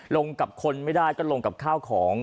ลงกับคนไม่ได้ก็ลงกับข้าวของ